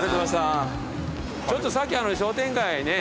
ちょっとさっきあの商店街ね。